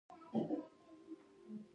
کاروبار نشته، جیب مې خالي دی.